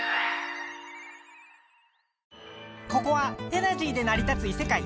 ここはエナジーでなり立ついせかい。